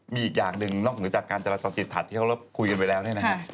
มีอีกอย่างหนึ่งนอกเหนือจากการจราจรติดขัดที่เขารบคุยกันไปแล้วเนี่ยนะฮะ